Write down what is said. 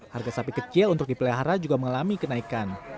harga sapi kecil untuk dipelihara juga mengalami kenaikan